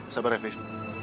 sabar ya faith